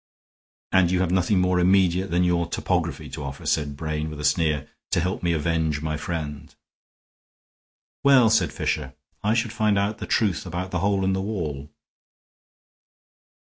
"And you have nothing more immediate than your topography to offer," said Brain, with a sneer, "to help me avenge my friend?" "Well," said Fisher, "I should find out the truth about the Hole in the Wall."